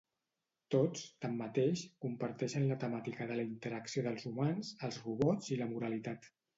Tots, tanmateix, comparteixen la temàtica de la interacció dels humans, els robots i la moralitat.